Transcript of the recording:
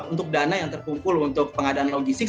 untuk dana yang terkumpul untuk pengadaan logistik